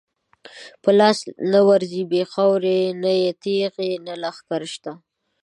په لاس نه ورځی بی خاورو، نه یې تیغ نه یی لښکر شته